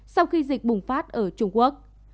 sau khi dịch bùng phát ở trung quốc